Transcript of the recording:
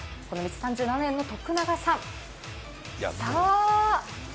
この道、３７年の徳中さん。